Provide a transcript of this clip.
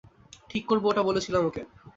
ঠিক করবো ওটা বলেছিলাম ওকে!